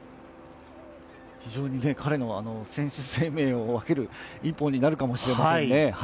非常に彼の選手生命を分ける一本になるかもしれませんね。